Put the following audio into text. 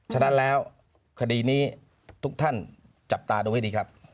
ฉะนั้นแล้วคดีนี้ทุกท่านจับตาดูให้ดีครับ